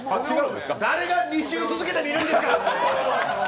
誰が２週続けて見るんですか！